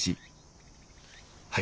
はい。